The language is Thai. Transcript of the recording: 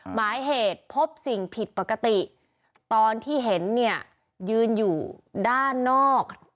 หมายเหตุพบสิ่งผิดปกติตอนที่เห็นเนี่ยยืนอยู่ด้านนอก